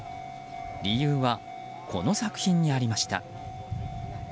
理由は、この作品にありました。